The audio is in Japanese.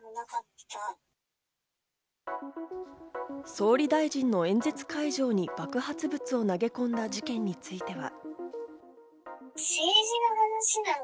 総理大臣の演説会場に爆発物を投げ込んだ事件については。